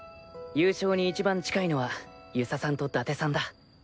優勝に一番近いのは遊佐さんと伊達さんだ。